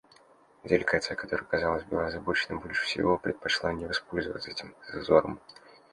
Делегация, которая, казалось, была озабочена больше всего, предпочла не воспользоваться этим зазором.